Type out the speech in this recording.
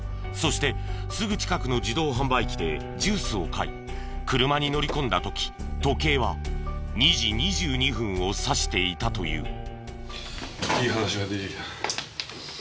そしてすぐ近くの自動販売機でジュースを買い車に乗り込んだ時時計は２時２２分を指していたという。